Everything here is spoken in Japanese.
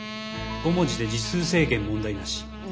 ５文字で字数制限問題なし。